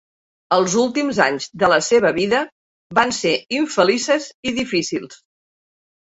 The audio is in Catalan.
Els últims anys de la seva vida van ser infelices i difícils.